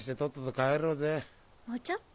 もうちょっと。